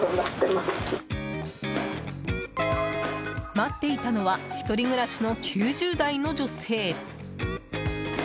待っていたのは１人暮らしの９０代の女性。